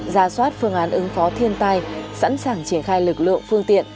giả soát phương án ứng phó thiên tài sẵn sàng triển khai lực lượng phương tiện